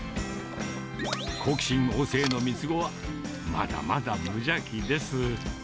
好奇心旺盛の三つ子は、まだまだ無邪気です。